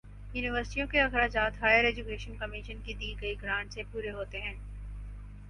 یونیورسٹیوں کے اخراجات ہائیر ایجوکیشن کمیشن کی دی گئی گرانٹ سے پورے ہوتے ہیں۔